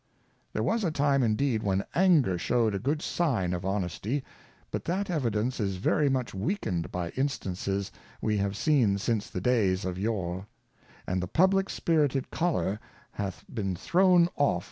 There was a time indeed when Anger shew'd a good sign of Honesty ; but that Evidence is very much weakned by Instances we have seen since the Days of Yore : And the Publick spirited Choler hath been thrownnffi.